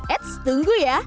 eits tunggu ya